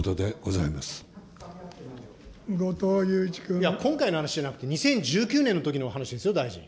いや、今回の話じゃなくて、２０１９年のときのお話ですよ、大臣。